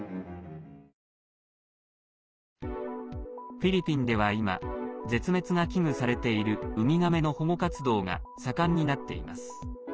フィリピンでは今、絶滅が危惧されているウミガメの保護活動が盛んになっています。